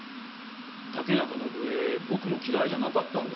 竹中伸枝僕も嫌いじゃなかったんですよ。